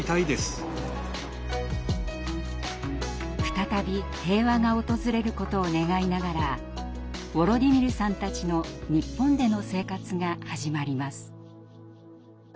再び平和が訪れることを願いながらウォロディミルさんたちの日本での生活が始まります。